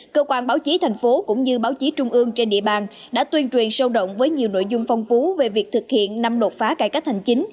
cơ quan báo chí thành phố cũng như báo chí trung ương trên địa bàn đã tuyên truyền sâu động với nhiều nội dung phong phú về việc thực hiện năm lột phá cải cách hành chính